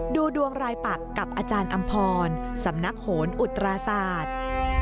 ดูดวงรายปักกับอาจารย์อำพรสำนักโหนอุตราศาสตร์